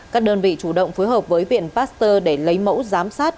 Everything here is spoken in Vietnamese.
các đơn vị chủ động phối hợp với viện pasteur để lấy mẫu giám sát